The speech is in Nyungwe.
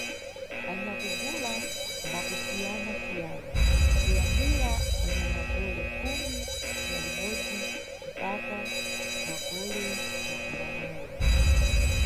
Anyakugula mba kusiyanasiyana, kuyambira anyamagole khumi na libodzi mpaka magole makumanayi.